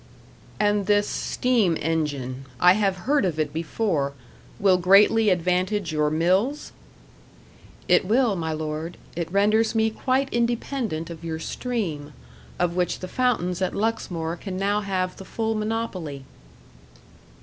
"And this steam engine I have heard of it before will greatly advantage your mills?" "It will, my lord. It renders me quite independent of your stream, of which the fountains at Luxmore can now have the full monopoly."